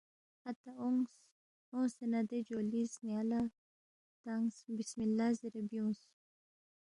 اتا اونگس، اونگسے نہ دے جولی سن٘یا لہ تنگس بِسم اللّہ زیرے بیُونگس